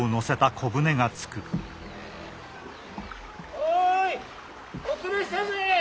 おいお連れしたぜ！